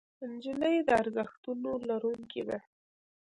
نجلۍ د ارزښتونو لرونکې ده.